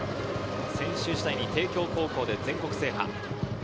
選手時代に帝京高校で全国制覇。